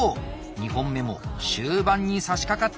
２本目も終盤にさしかかっております。